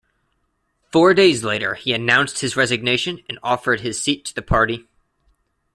Four days later he announced his resignation and offered his seat to the party.